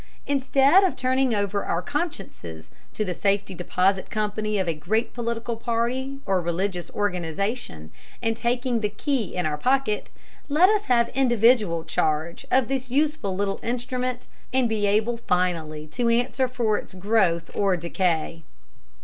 Instead of turning over our consciences to the safety deposit company of a great political party or religious organization and taking the key in our pocket, let us have individual charge of this useful little instrument and be able finally to answer for its growth or decay.